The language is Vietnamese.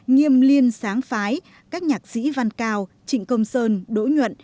nghiêm liên sáng phái các nhạc sĩ văn cao trịnh công sơn đỗ nhuận